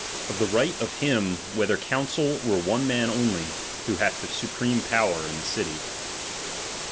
o:f the kiqht of him, whether council or one man only, who hath the supreme power in the city.